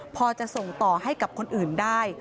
พอจะส่งต่อให้กับคนอื่นได้